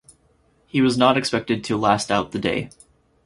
He was not expected to last out the day.